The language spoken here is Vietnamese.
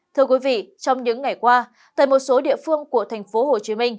thưa quý vị trong những ngày qua tại một số địa phương của tp hcm